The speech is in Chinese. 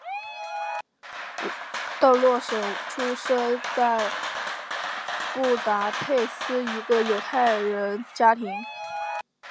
道洛什出生在布达佩斯一个犹太人家庭。